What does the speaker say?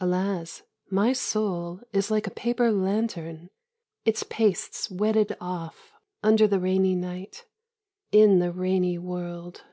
Alas, my soul is like a paper lantern, its pastes wetted off under the rainy night, in the rainy world.